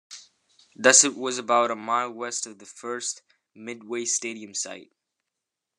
Thus it was about a mile west of the first Midway Stadium site.